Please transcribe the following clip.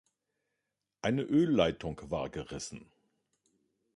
Eine Ölleitung war gerissen.